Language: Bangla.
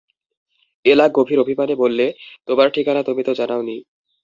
এলা গভীর অভিমানে বললে, তোমার ঠিকানা তুমি তো জানাও নি।